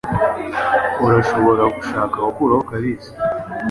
Urashobora gushaka gukuraho Kalisa.